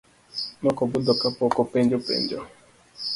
Nokobudho ka pok openjo penjo.